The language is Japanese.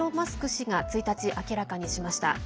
氏が１日、明らかにしました。